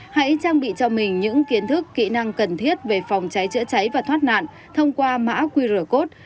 hãy trang bị cho mình những kiến thức kỹ năng cần thiết về phòng cháy chữa cháy và thoát nạn thông qua mã qr code